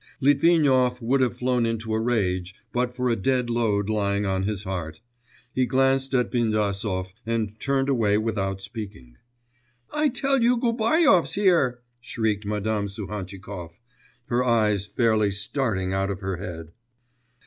Litvinov would have flown into a rage, but for a dead load lying on his heart. He glanced at Bindasov and turned away without speaking. 'I tell you Gubaryov's here,' shrieked Madame Suhantchikov, her eyes fairly starting out of her head.